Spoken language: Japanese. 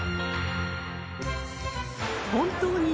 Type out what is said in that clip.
［本当に］